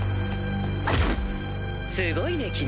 すごいね君。